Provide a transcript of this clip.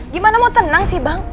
gimana mau tenang sih bang